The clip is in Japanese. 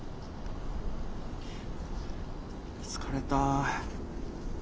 疲れた。